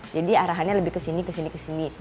jadi arahannya lebih kesini kesini kesini